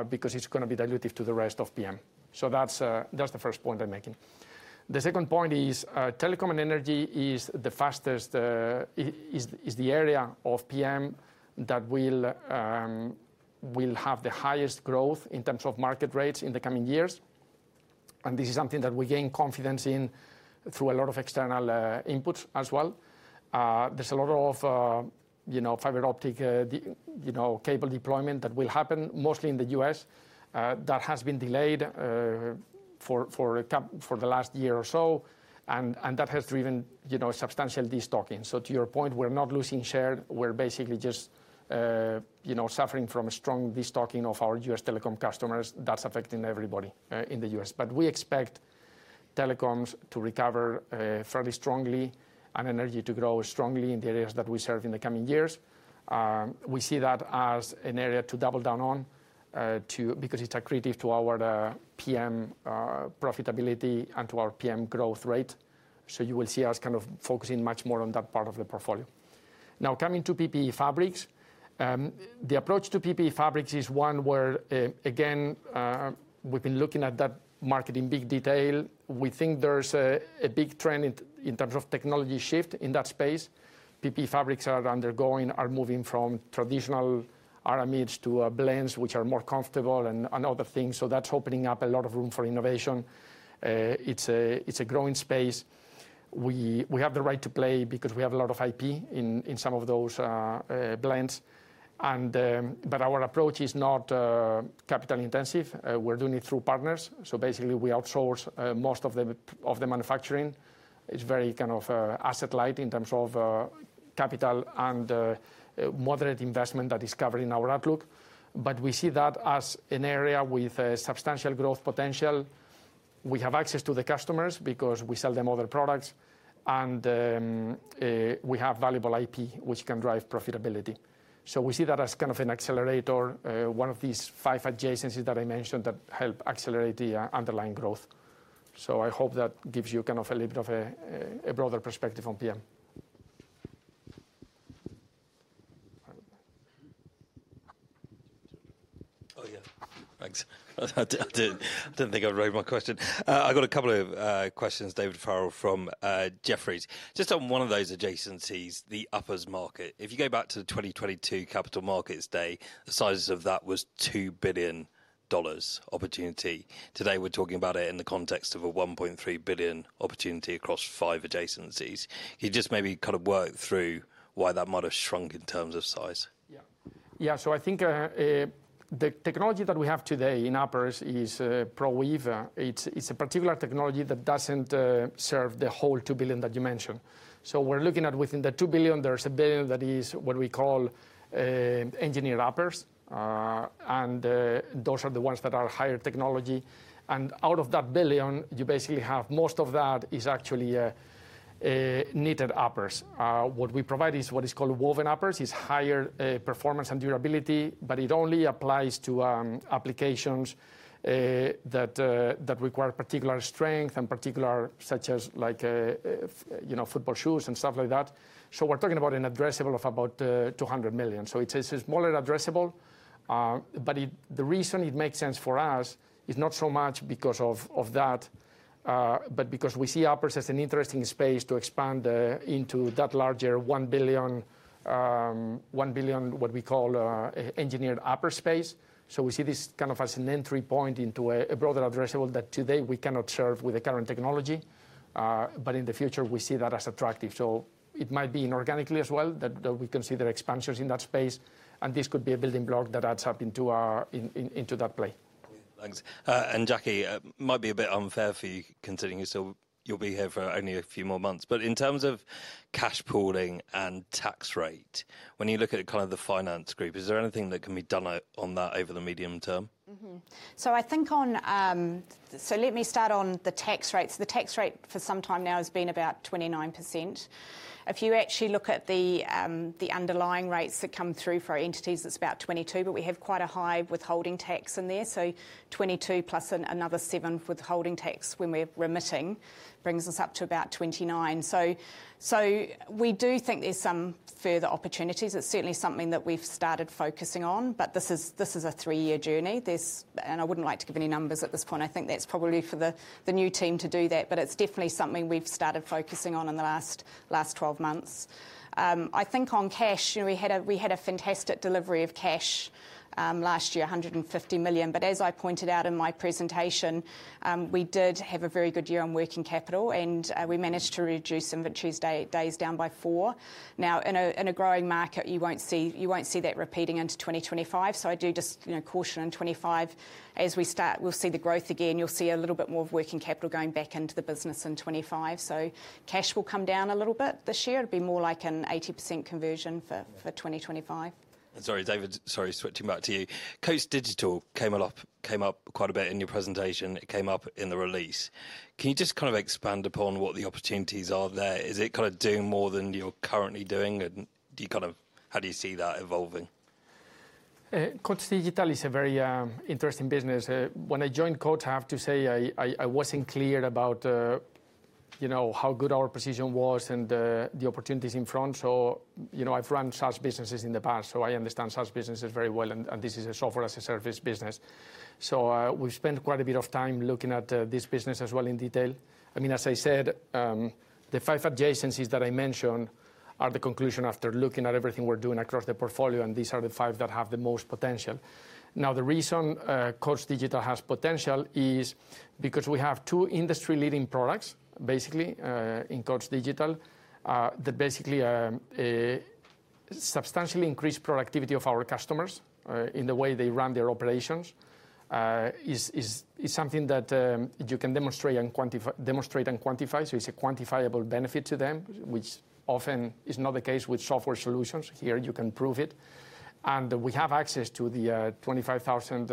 because it's going to be dilutive to the rest of PM. So, that's the first point I'm making. The second point is telecom and energy is the fastest, is the area of PM that will have the highest growth in terms of market rates in the coming years. And this is something that we gain confidence in through a lot of external inputs as well. There's a lot of fiber optic cable deployment that will happen mostly in the U.S. that has been delayed for the last year or so. And that has driven substantial destocking. So, to your point, we're not losing share. We're basically just suffering from a strong destocking of our U.S. telecom customers. That's affecting everybody in the U.S. But we expect telecoms to recover fairly strongly and energy to grow strongly in the areas that we serve in the coming years. We see that as an area to double down on because it's accretive to our PM profitability and to our PM growth rate. So, you will see us kind of focusing much more on that part of the portfolio. Now, coming to PPE fabrics, the approach to PPE fabrics is one where, again, we've been looking at that market in big detail. We think there's a big trend in terms of technology shift in that space. PPE fabrics are undergoing, are moving from traditional aramids to blends which are more comfortable and other things. So, that's opening up a lot of room for innovation. It's a growing space. We have the right to play because we have a lot of IP in some of those blends. But our approach is not capital intensive. We're doing it through partners. So, basically, we outsource most of the manufacturing. It's very kind of asset-light in terms of capital and moderate investment that is covered in our outlook. But we see that as an area with substantial growth potential. We have access to the customers because we sell them other products, and we have valuable IP which can drive profitability. So, we see that as kind of an accelerator, one of these five adjacencies that I mentioned that help accelerate the underlying growth. So, I hope that gives you kind of a little bit of a broader perspective on PM. Oh, yeah. Thanks. I didn't think I'd raise my question. I've got a couple of questions, David Farrell, from Jefferies. Just on one of those adjacencies, the uppers market. If you go back to the 2022 Capital Markets Day, the size of that was $2 billion opportunity. Today, we're talking about it in the context of a $1.3 billion opportunity across five adjacencies. Can you just maybe kind of work through why that might have shrunk in terms of size? Yeah. Yeah. So, I think the technology that we have today in uppers is ProWeave. It's a particular technology that doesn't serve the whole $2 billion that you mentioned. We're looking at within the $2 billion. There's a billion that is what we call engineered uppers. And those are the ones that are higher technology. And out of that billion, you basically have most of that is actually knitted uppers. What we provide is what is called woven uppers. It's higher performance and durability, but it only applies to applications that require particular strength and such as football shoes and stuff like that. We're talking about an addressable of about $200 million. It's a smaller addressable. But the reason it makes sense for us is not so much because of that, but because we see uppers as an interesting space to expand into that larger $1 billion, what we call engineered upper space. So, we see this kind of as an entry point into a broader addressable that today we cannot serve with the current technology. But in the future, we see that as attractive. So, it might be inorganically as well that we consider expansions in that space. And this could be a building block that adds up into that play. Thanks. And Jackie, it might be a bit unfair for you considering you'll be here for only a few more months. But in terms of cash pooling and tax rate, when you look at kind of the finance group, is there anything that can be done on that over the medium term? So, I think let me start on the tax rates. The tax rate for some time now has been about 29%. If you actually look at the underlying rates that come through for our entities, it's about 22%. But we have quite a high withholding tax in there. So, 22% plus another 7% withholding tax when we're remitting brings us up to about 29%. So, we do think there's some further opportunities. It's certainly something that we've started focusing on. But this is a three-year journey. And I wouldn't like to give any numbers at this point. I think that's probably for the new team to do that. But it's definitely something we've started focusing on in the last 12 months. I think on cash, we had a fantastic delivery of cash last year, $150 million. But as I pointed out in my presentation, we did have a very good year on working capital. And we managed to reduce inventory days down by four. Now, in a growing market, you won't see that repeating into 2025. So, I do just caution in 2025. As we start, we'll see the growth again. You'll see a little bit more of working capital going back into the business in 2025. So, cash will come down a little bit this year. It'll be more like an 80% conversion for 2025. And sorry, David, sorry, switching back to you. Coats Digital came up quite a bit in your presentation. It came up in the release. Can you just kind of expand upon what the opportunities are there? Is it kind of doing more than you're currently doing? And how do you see that evolving? Coats Digital is a very interesting business. When I joined Coats, I have to say I wasn't clear about how good our position was and the opportunities in front. I've run such businesses in the past. So, I understand such businesses very well. And this is a software as a service business. So, we've spent quite a bit of time looking at this business as well in detail. I mean, as I said, the five adjacencies that I mentioned are the conclusion after looking at everything we're doing across the portfolio. And these are the five that have the most potential. Now, the reason Coats Digital has potential is because we have two industry-leading products, basically, in Coats Digital that basically substantially increase productivity of our customers in the way they run their operations. It's something that you can demonstrate and quantify. So, it's a quantifiable benefit to them, which often is not the case with software solutions. Here, you can prove it. And we have access to the 25,000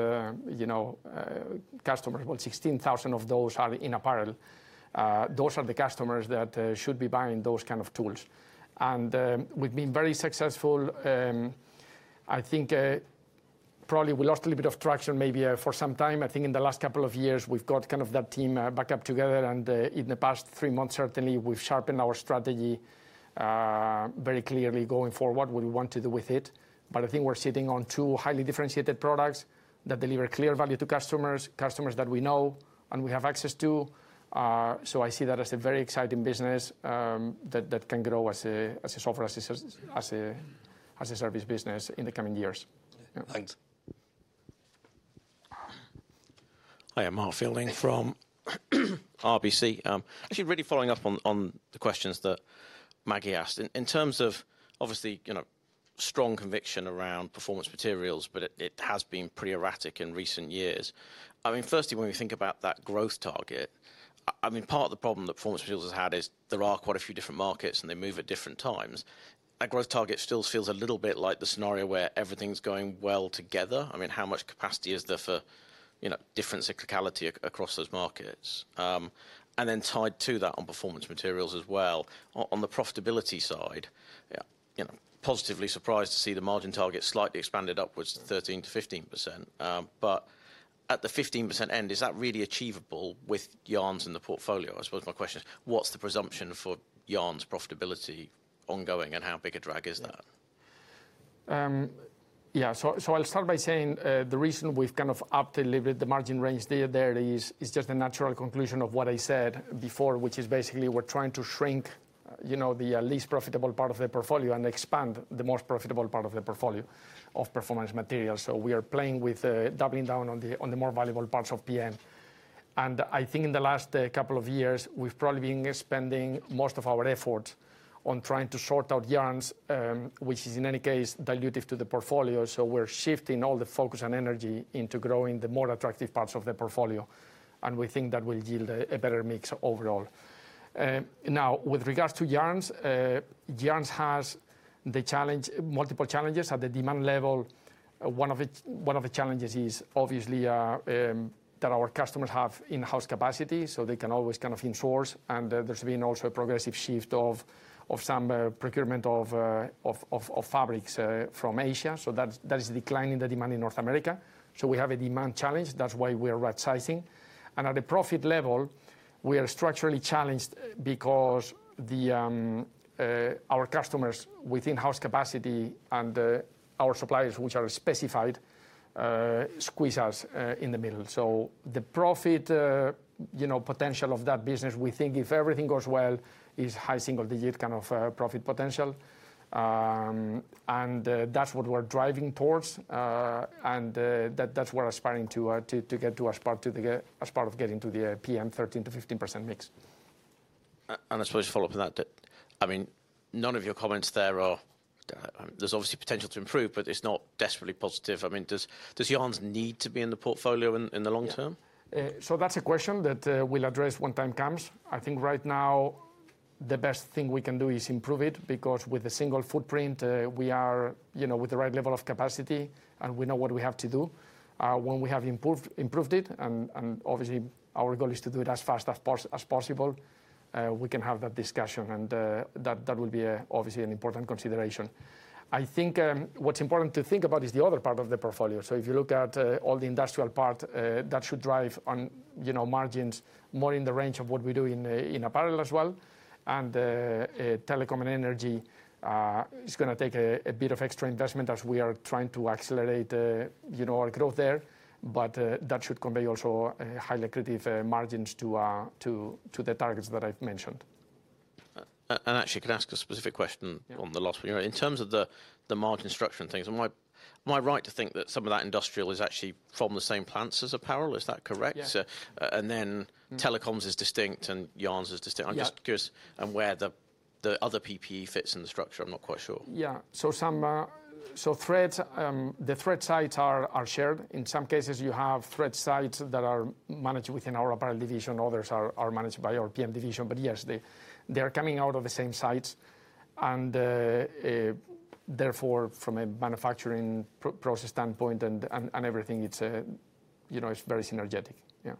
customers, but 16,000 of those are in apparel. Those are the customers that should be buying those kind of tools. And we've been very successful. I think probably we lost a little bit of traction maybe for some time. I think in the last couple of years, we've got kind of that team back up together. And in the past three months, certainly, we've sharpened our strategy very clearly going forward, what we want to do with it. But I think we're sitting on two highly differentiated products that deliver clear value to customers, customers that we know and we have access to. So, I see that as a very exciting business that can grow as a software as a service business in the coming years. Thanks. Hi, I'm Mark Fielding from RBC. Actually, really following up on the questions that Maggie asked. In terms of, obviously, strong conviction around performance materials, but it has been pretty erratic in recent years. I mean, firstly, when we think about that growth target, I mean, part of the problem that performance materials has had is there are quite a few different markets and they move at different times. That growth target still feels a little bit like the scenario where everything's going well together. I mean, how much capacity is there for different cyclicality across those markets? And then tied to that on performance materials as well. On the profitability side, positively surprised to see the margin target slightly expanded upwards to 13%-15%. But at the 15% end, is that really achievable with yarns in the portfolio? I suppose my question is, what's the presumption for yarns profitability ongoing and how big a drag is that? Yeah. So, I'll start by saying the reason we've kind of upped a little bit the margin range there is just a natural conclusion of what I said before, which is basically we're trying to shrink the least profitable part of the portfolio and expand the most profitable part of the portfolio of performance materials. So, we are playing with doubling down on the more valuable parts of PM. And I think in the last couple of years, we've probably been spending most of our efforts on trying to sort out yarns, which is in any case dilutive to the portfolio. So, we're shifting all the focus and energy into growing the more attractive parts of the portfolio. And we think that will yield a better mix overall. Now, with regards to yarns, yarns has multiple challenges at the demand level. One of the challenges is obviously that our customers have in-house capacity, so they can always kind of insource. And there's been also a progressive shift of some procurement of fabrics from Asia. So, that is declining the demand in North America. So, we have a demand challenge. That's why we are right-sizing. And at the profit level, we are structurally challenged because our customers with in-house capacity and our suppliers, which are specified, squeeze us in the middle. So, the profit potential of that business, we think if everything goes well, is high single-digit kind of profit potential. And that's what we're driving towards. And that's what we're aspiring to get to as part of getting to the PM 13%-15% mix. And I suppose to follow up on that, I mean, none of your comments there are, there's obviously potential to improve, but it's not desperately positive. I mean, does yarns need to be in the portfolio in the long term? So, that's a question that we'll address when time comes. I think right now, the best thing we can do is improve it because with the single footprint, we are with the right level of capacity and we know what we have to do. When we have improved it, and obviously, our goal is to do it as fast as possible, we can have that discussion. And that will be obviously an important consideration. I think what's important to think about is the other part of the portfolio. So, if you look at all the industrial part, that should drive on margins more in the range of what we do in apparel as well. And telecom and energy is going to take a bit of extra investment as we are trying to accelerate our growth there. But that should convey also highly competitive margins to the targets that I've mentioned. and actually, I could ask a specific question on the last one. In terms of the margin structure and things, am I right to think that some of that industrial is actually from the same plants as apparel? Is that correct, and then telecoms is distinct and yarns is distinct. I'm just curious on where the other PPE fits in the structure. I'm not quite sure. Yeah, so threads, the thread sites are shared. In some cases, you have thread sites that are managed within our apparel division. Others are managed by our PM division, but yes, they are coming out of the same sites, and therefore, from a manufacturing process standpoint and everything, it's very synergistic. Yeah,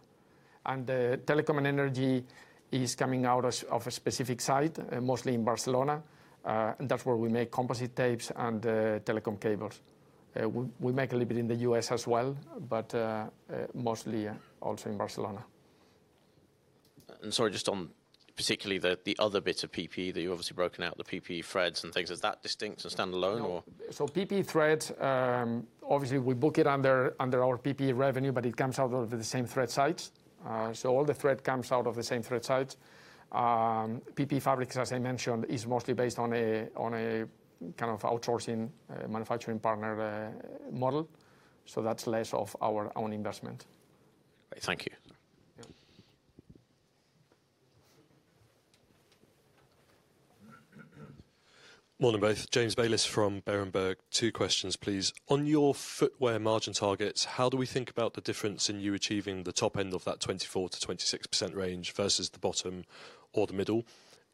and telecom and energy is coming out of a specific site, mostly in Barcelona. That's where we make composite tapes and telecom cables. We make a little bit in the U.S. as well, but mostly also in Barcelona. Sorry, just on particularly the other bits of PPE that you've obviously broken out, the PPE threads and things. Is that distinct and stand-alone or? PPE threads, obviously, we book it under our PPE revenue, but it comes out of the same thread sites. All the thread comes out of the same thread sites. PPE fabrics, as I mentioned, is mostly based on a kind of outsourcing manufacturing partner model. That's less of our own investment. Thank you. Morning both. James Bayliss from Berenberg. Two questions, please. On your footwear margin targets, how do we think about the difference in you achieving the top end of that 24%-26% range versus the bottom or the middle?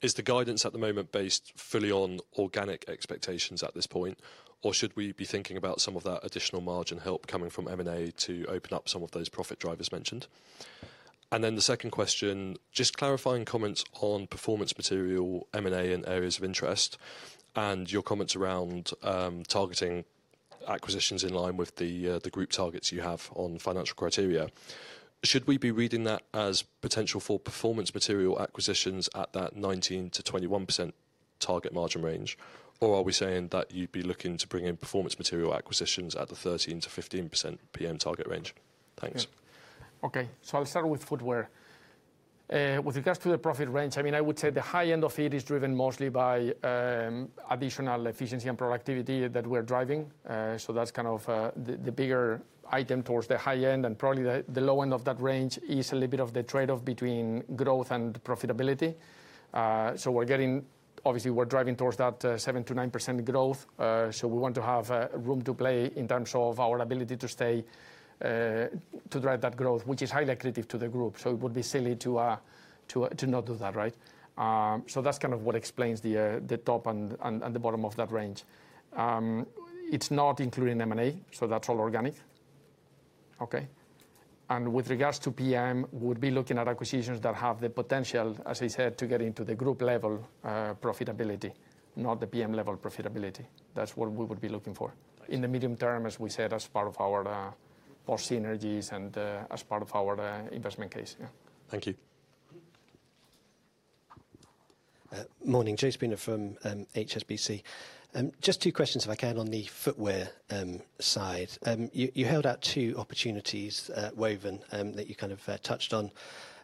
Is the guidance at the moment based fully on organic expectations at this point? Or should we be thinking about some of that additional margin help coming from M&A to open up some of those profit drivers mentioned? And then the second question, just clarifying comments on performance material, M&A, and areas of interest, and your comments around targeting acquisitions in line with the group targets you have on financial criteria. Should we be reading that as potential for performance material acquisitions at that 19%-21% target margin range? Or are we saying that you'd be looking to bring in performance material acquisitions at the 13%-15% PM target range? Thanks. Okay. So, I'll start with footwear. With regards to the profit range, I mean, I would say the high end of it is driven mostly by additional efficiency and productivity that we're driving. So, that's kind of the bigger item towards the high end. And probably the low end of that range is a little bit of the trade-off between growth and profitability. So, we're getting, obviously, we're driving towards that 7%-9% growth. So, we want to have room to play in terms of our ability to drive that growth, which is highly accretive to the group. So, it would be silly to not do that, right? So, that's kind of what explains the top and the bottom of that range. It's not including M&A. So, that's all organic. Okay. And with regards to PM, we would be looking at acquisitions that have the potential, as I said, to get into the group level profitability, not the PM level profitability. That's what we would be looking for in the medium term, as we said, as part of our synergies and as part of our investment case. Yeah. Thank you. Morning. Joe Spooner from HSBC. Just two questions, if I can, on the footwear side. You held out two opportunities, woven, that you kind of touched on,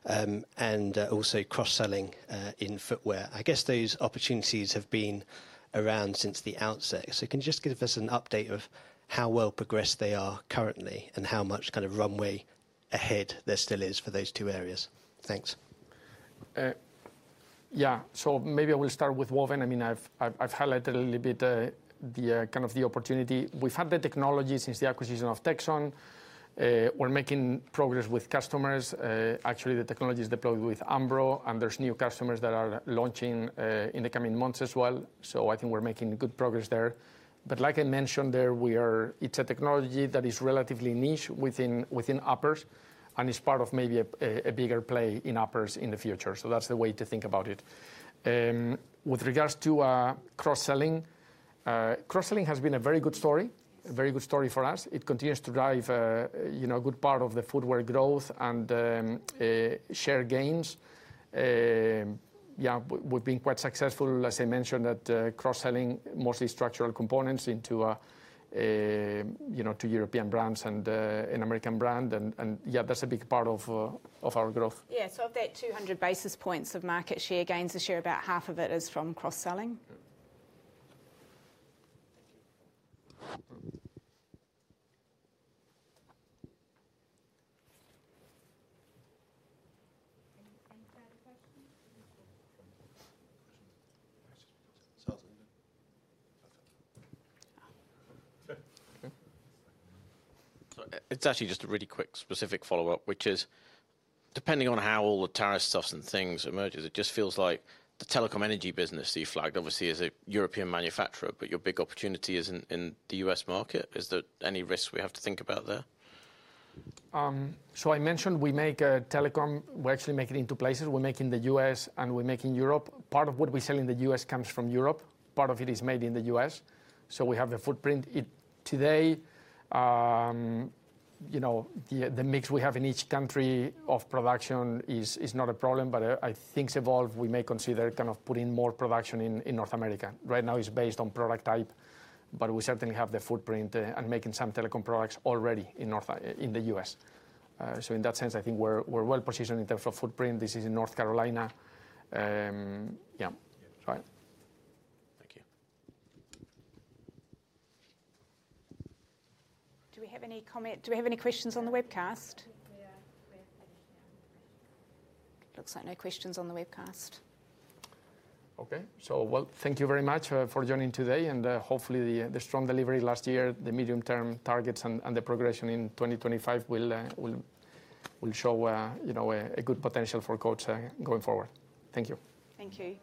and also cross-selling in footwear. I guess those opportunities have been around since the outset. So, can you just give us an update of how well progressed they are currently and how much kind of runway ahead there still is for those two areas? Thanks. Yeah. So, maybe I will start with woven. I mean, I've highlighted a little bit the kind of opportunity. We've had the technology since the acquisition of Texon. We're making progress with customers. Actually, the technology is deployed with Umbro, and there's new customers that are launching in the coming months as well. So, I think we're making good progress there. But like I mentioned there, it's a technology that is relatively niche within uppers and is part of maybe a bigger play in uppers in the future. So, that's the way to think about it. With regards to cross-selling, cross-selling has been a very good story, a very good story for us. It continues to drive a good part of the footwear growth and share gains. Yeah, we've been quite successful, as I mentioned, at cross-selling mostly structural components into two European brands and an American brand. And yeah, that's a big part of our growth. Yeah. So, of that 200 basis points of market share gains, this year, about half of it is from cross-selling. It's actually just a really quick specific follow-up, which is, depending on how all the tariff stuff and things emerges, it just feels like the telecom energy business that you flagged, obviously, is a European manufacturer, but your big opportunity is in the U.S. market. Is there any risks we have to think about there? I mentioned we make telecom, we're actually making it into places. We're making the U.S. and we're making Europe. Part of what we sell in the U.S. comes from Europe. Part of it is made in the U.S. We have a footprint. Today, the mix we have in each country of production is not a problem. But I think, if we may consider kind of putting more production in North America. Right now, it's based on product type, but we certainly have the footprint and making some telecom products already in the U.S. So, in that sense, I think we're well positioned in terms of footprint. This is in North Carolina. Yeah. Right. Thank you. Do we have any comment? Do we have any questions on the webcast? Looks like no questions on the webcast. Okay. So, well, thank you very much for joining today. And hopefully, the strong delivery last year, the medium-term targets and the progression in 2025 will show a good potential for Coats going forward. Thank you. Thank you.